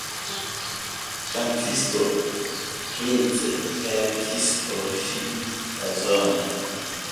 Kantisto Prince verkis por ŝi kanzonon.